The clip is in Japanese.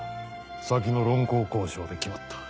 先の論功行賞で決まった。